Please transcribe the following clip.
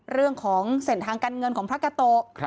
เรื่องของเส้นทางการเงินของพระกาโตะ